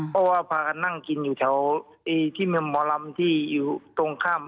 เพราะว่าพากันนั่งกินอยู่แถวที่หมอลำที่อยู่ตรงข้าม